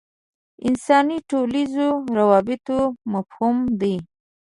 انساني ټولنیزو روابطو مفهوم دی.